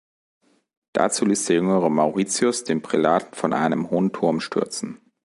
Dazu ließ der jüngere Mauritius den Prälaten von einem hohen Turm stürzen.